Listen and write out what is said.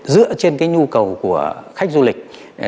dựa trên nhu cầu của khách du lịch